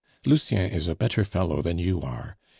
Lucien is a better fellow than you are.